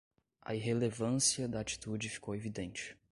A irrelevância da atitude ficou evidente